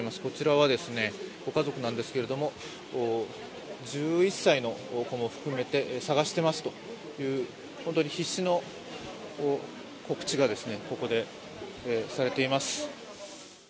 こちらはご家族なんですけれども、１１歳の子も含めて捜してますという、必死の告知がここでされています。